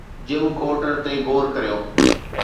جم quarter تي غور ڪريو